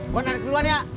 gue narik duluan ya